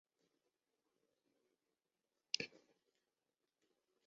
位于非洲尼罗河上游第五瀑布的努比亚也归附埃及。